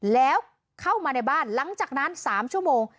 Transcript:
แล้วเข้ามาในบ้านหลังจากนั้น๓ชั่วโมง